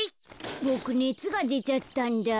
ボクねつがでちゃったんだ。